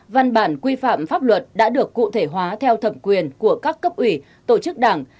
văn bản quy phạm pháp luật đã được cụ thể hóa theo thẩm quyền của các cấp ủy tổ chức đảng